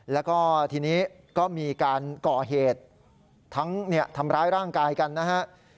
แล้วก็ทีนี้ก็มีการก่อเหตุทั้งทำร้ายร่างกายกันนะฮะ